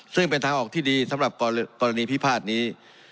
ซึ่งเป็นทางออกที่ดีสำหรับกรณีพิพาทนี้